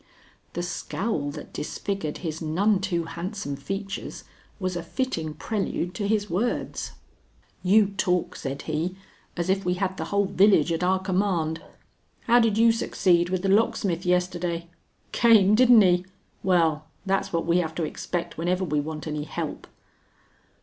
The scowl that disfigured his none too handsome features was a fitting prelude to his words. "You talk," said he, "as if we had the whole village at our command. How did you succeed with the locksmith yesterday? Came, didn't he? Well, that's what we have to expect whenever we want any help."